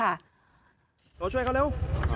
ตัวช่วยเขาเร็ว